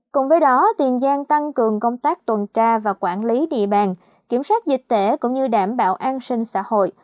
cùng với đó tiền giang tăng cường công tác tuần tra và quản lý địa bàn kiểm soát dịch tễ cũng như đảm bảo an sinh xã hội